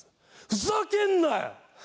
ふざけんなよ！